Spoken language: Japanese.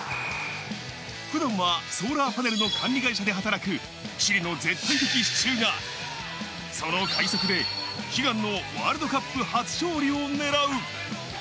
普段はソーラーパネルの管理会社で働くチリの絶対的支柱がその快足で悲願のワールドカップ初勝利を狙う。